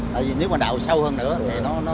tại vì nếu mà đào sâu hơn nữa thì nó